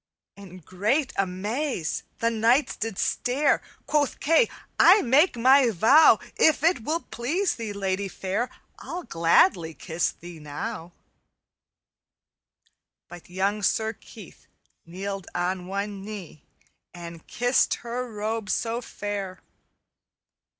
"In great amaze the knights did stare. Quoth Kay, 'I make my vow If it will please thee, lady fair, I'll gladly kiss thee now_.' "_But young Sir Keith kneeled on one knee And kissed her robes so fair.